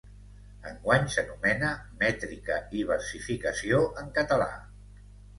Enguany s'anomena "Mètrica i versificació en català".